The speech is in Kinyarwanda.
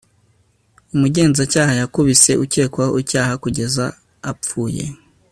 Umugenzacyaha yakubise ukekwaho icyaha kugeza apfuye